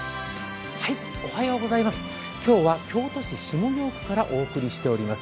今日は京都市下京区からお送りしております。